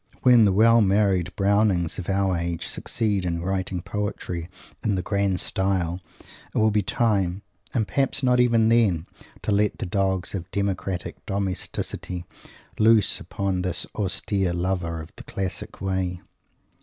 When the well married Brownings of our age succeed in writing poetry in the "grand style," it will be time and, perhaps, not even then to let the dogs of democratic domesticity loose upon this austere lover of the classic way.